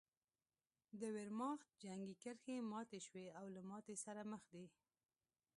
د ویرماخت جنګي کرښې ماتې شوې او له ماتې سره مخ دي